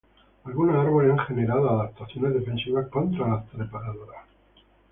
Algunos árboles han generado adaptaciones defensivas contra las trepadoras.